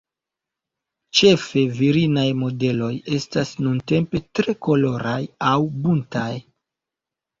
Ĉefe virinaj modeloj estas nuntempe tre koloraj aŭ buntaj.